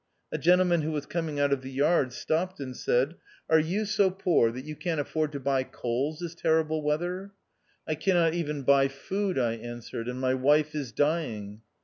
A gentleman who was coming out of the yard stopped and said, "Are you so 2o3 THE OUTCAST. poor that you can't afford to buy coals this terrible weather ?"" I cannot even buy food," I answered ;" and my wife is dying."